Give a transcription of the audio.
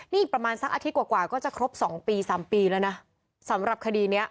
นี่อีกประมาณสักอาทิตย์กว่ากว่าก็จะครบสองปีสามปีแล้วนะสำหรับคดีเนี้ย